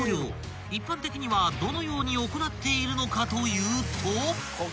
［一般的にはどのように行っているのかというと］